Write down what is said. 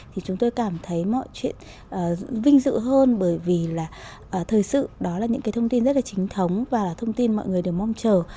thì chúng tôi cảm thấy mọi chuyện vinh dự hơn bởi vì là thời sự đó là những cái thông tin rất là chính thống và thông tin mọi người đều mong chờ